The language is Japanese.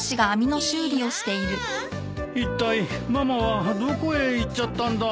いったいママはどこへ行っちゃったんだ？